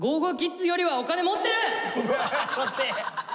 そっち！